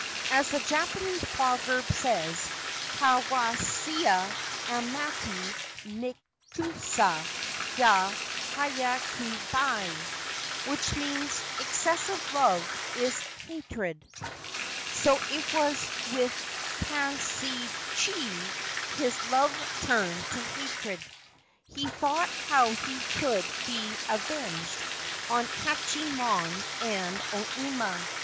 As the Japanese proverb says, ' Kawaisa amatte nikusa ga hyakubai,' — which means, c Excessive love is hatred/ So it was with Kanshichi : his love turned to hatred. He thought of how he could be avenged on Hachiyemon and O Ima.